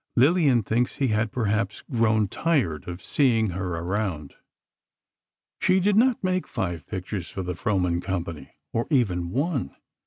Lillian thinks he had perhaps grown tired of seeing her around. She did not make five pictures for the Frohman company, or even one.